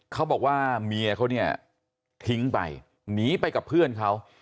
เขาบอกว่าเมียเขาเนี่ยทิ้งไปหนีไปกับเพื่อนเขา